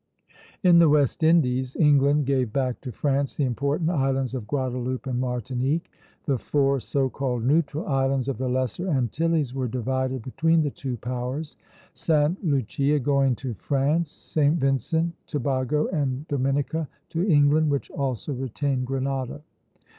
In the West Indies, England gave back to France the important islands of Guadeloupe and Martinique. The four so called neutral islands of the Lesser Antilles were divided between the two powers; Sta. Lucia going to France, St. Vincent, Tobago, and Dominica to England, which also retained Grenada.